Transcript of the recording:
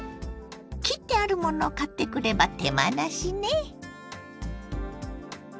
切ってあるものを買ってくれば手間なしね。